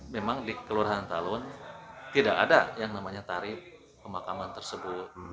memang di kelurahan talun tidak ada yang namanya tarif pemakaman tersebut